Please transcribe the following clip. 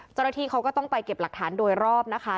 เจ้าหน้าที่เขาก็ต้องไปเก็บหลักฐานโดยรอบนะคะ